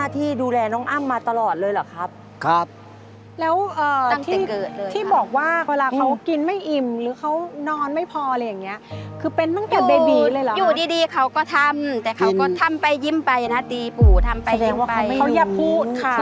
ตีปู่ทำไปยิ่งไปคือเขาจะสื่อสารแหละเขาเรียกพูดค่ะ